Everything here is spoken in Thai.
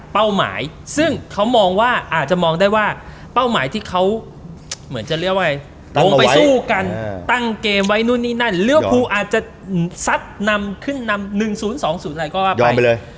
หมายซึ่งเขามองว่าอาจจะมองได้ว่าเป้าหมายที่เขาเหมือนจะเรียกว่าลงไปสู้กันตั้งเกมไว้นู่นนี่นั่นเลี้ยวภูอาจจะซัดนำขึ้นนำ๑๐๒๐อะไรก็ว่าไปเลย